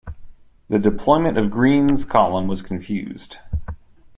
The deployment of Greene's column was confused.